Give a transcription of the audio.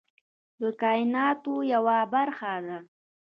د کایناتو یوه برخه ده.